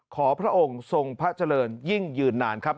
พระองค์ทรงพระเจริญยิ่งยืนนานครับ